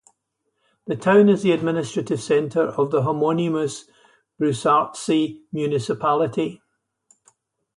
The town is the administrative center of the homonymous Brusartsi Municipality.